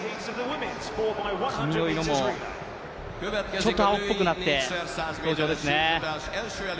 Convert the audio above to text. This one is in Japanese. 髪の色もちょっと青っぽくなって登場ですね。